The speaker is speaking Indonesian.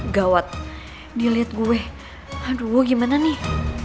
gawat dia lihat gue aduh gue gimana nih